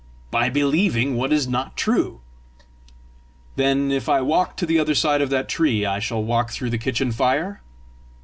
"By believing what is not true." "Then, if I walk to the other side of that tree, I shall walk through the kitchen fire?"